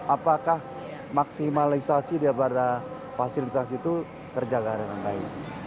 apakah maksimalisasi daripada fasilitas itu terjaga dengan baik